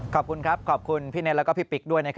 ขอบคุณครับขอบคุณพี่เนธและพี่พิกด้วย